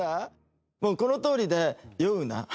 もうこのとおりで「酔うな」。